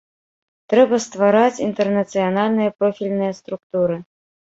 Трэба ствараць інтэрнацыянальныя профільныя структуры.